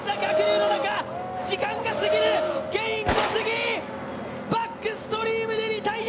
時間が過ぎる、ケイン・コスギ、バックストリームでリタイア。